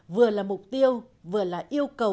vừa là mục tiêu vừa là yêu cầu